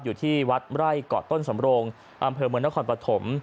อยู่ที่วัดไร่เกาะต้นสำโรงอำเภอเมืองนครปฐม